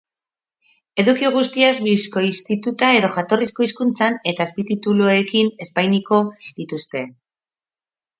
Eduki guztiak bikoiztuta edo jatorrizko hizkuntzan eta azpitituluekin eskainiko dituzte.